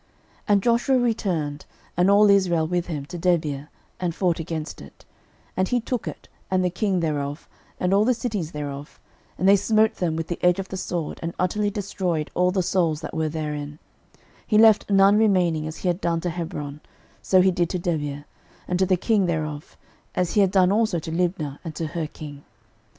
06:010:038 And Joshua returned, and all Israel with him, to Debir; and fought against it: 06:010:039 And he took it, and the king thereof, and all the cities thereof; and they smote them with the edge of the sword, and utterly destroyed all the souls that were therein; he left none remaining: as he had done to Hebron, so he did to Debir, and to the king thereof; as he had done also to Libnah, and to her king.